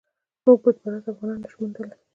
موږ بت پرست افغانان نه شو موندلای.